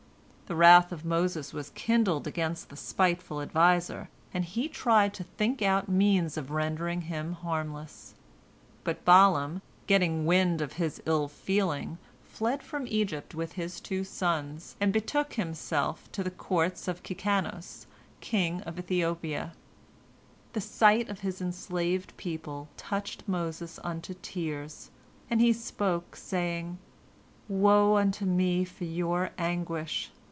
The wrath of Moses was kindled against the spiteful adviser, and he tried to think out means of rendering him harmless. But Balaam, getting wind of his ill feeling, fled from Egypt with his two sons, and betook himself to the court of Kikanos king of Ethiopia. The sight of his enslaved people touched Moses unto tears, and he spoke, saying: "Woe unto me for your anguish!